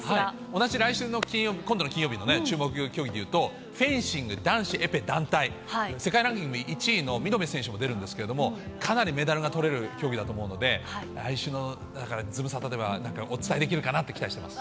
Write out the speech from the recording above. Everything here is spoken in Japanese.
同じ来週の今度の金曜の注目競技で言うと、フェンシング男子エペ団体、世界ランキング１位の美濃部選手も出るんですけど、かなりメダルがとれる競技だと思うので、来週のズムサタではなんかお伝えできるかなって期待しています。